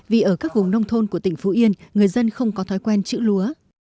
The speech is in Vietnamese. vì ở các vùng nông thôn của tỉnh phú yên người dân không có thói quen chữ lúa